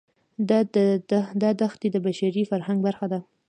دا دښتې د بشري فرهنګ برخه ده.